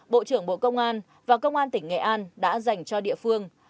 bộ trưởng bộ công an và công an tỉnh nghệ an đã dành cho địa phương